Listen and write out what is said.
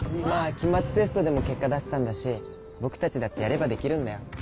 期末テストでも結果出せたんだし僕たちだってやればできるんだよ